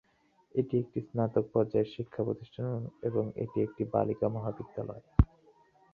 এটি একটি স্নাতক পর্যায়ের শিক্ষা প্রতিষ্ঠান এবং এটি একটি বালিকা মহাবিদ্যালয়।